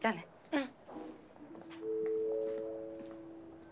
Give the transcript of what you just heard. うん。